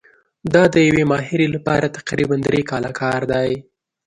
دا د یوې ماهرې لپاره تقریباً درې کاله کار دی.